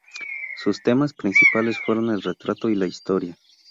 Sus temas principales fueron el retrato y la historia.